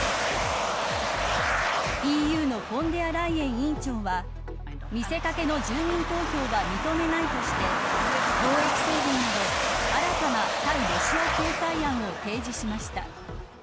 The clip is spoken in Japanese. ＥＵのフォンデアライエン委員長は見せ掛けの住民投票は認めないとして貿易制限など、新たな対ロシア制裁案を提示しました。